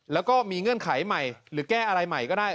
แล้วก็มีเงื่อนไขใหม่หรือแก้อะไรใหม่ก็ได้